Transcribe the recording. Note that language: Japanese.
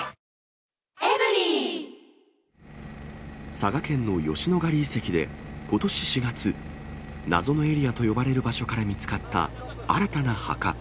佐賀県の吉野ヶ里遺跡で、ことし４月、謎のエリアと呼ばれる場所から見つかった新たな墓。